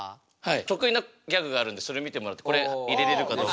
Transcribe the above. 得意なギャグがあるんでそれ見てもらってこれ入れれるかどうか。